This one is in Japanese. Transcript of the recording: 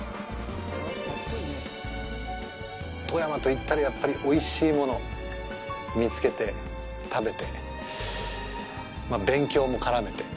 富山といったら、やっぱり、おいしいものを見つけて、食べて、まあ、勉強も絡めて。